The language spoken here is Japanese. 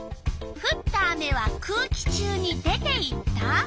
「ふった雨は空気中に出ていった」。